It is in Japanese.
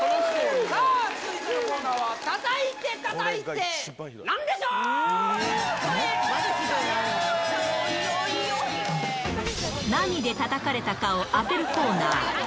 さあ、続いてのコーナーは、何でたたかれたかを当てるコーナー。